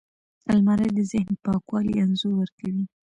الماري د ذهن پاکوالي انځور ورکوي